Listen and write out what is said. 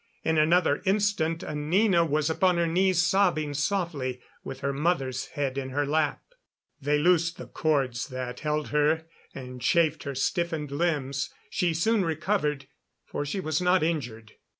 In another instant Anina was upon her knees, sobbing softly, with her mother's head in her lap. They loosed the cords that held her, and chaffed her stiffened limbs. She soon recovered, for she was not injured.